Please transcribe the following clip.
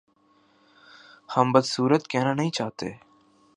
ہم بد صورت کہنا نہیں چاہتے